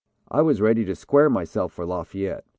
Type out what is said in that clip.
I was ready to square myself for Lafayette."